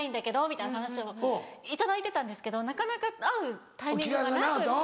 みたいな話を頂いてたんですけどなかなか会うタイミングがなくて。